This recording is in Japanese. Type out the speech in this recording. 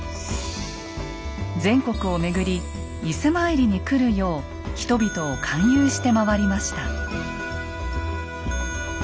全国を巡り伊勢参りに来るよう人々を勧誘して回りました。